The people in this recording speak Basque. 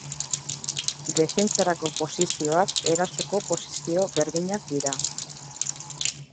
Defentsarako posizioak erasoko posizio berdinak dira.